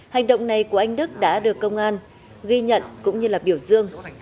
hành động này của anh đức đã được công an ghi nhận cũng như là biểu dương